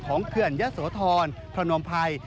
ของเขื่อนยะสวทรพระนมไพร